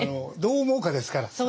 どう思うかですから。